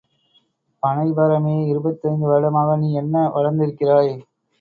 பனைபரமே இருபத்தைந்து வருடமாக நீ என்ன வளர்ந்திருக்கிறாய்?